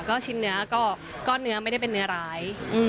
ก็ชิ้นเนื้อก็เนื้อไม่ได้เป็นเนื้อร้าย